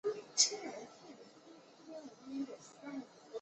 守护城堡的士兵可以利用高高的城墙和塔楼对进犯的敌人予以反击。